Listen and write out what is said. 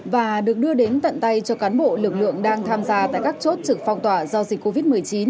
và được đưa đến tận tay cho cán bộ lực lượng đang tham gia tại các chốt trực phong tỏa do dịch covid một mươi chín